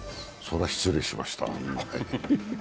それは失礼しました。